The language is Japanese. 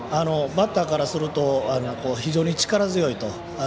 バッターからすると非常に力強いと。